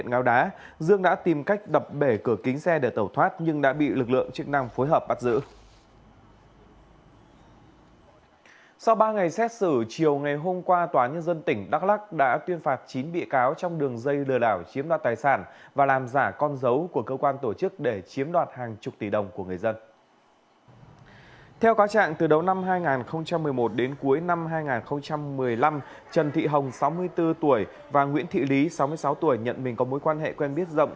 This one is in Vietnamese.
trần thị hồng sáu mươi bốn tuổi và nguyễn thị lý sáu mươi sáu tuổi nhận mình có mối quan hệ quen biết rộng